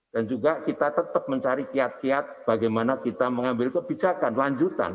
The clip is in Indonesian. dan juga kita tetap mencari kiat kiat bagaimana kita mengambil kebijakan lanjutan